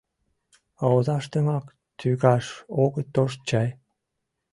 А озаштымак тӱкаш огыт тошт чай?